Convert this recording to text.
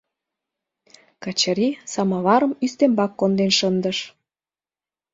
Качыри самоварым ӱстембак конден шындыш.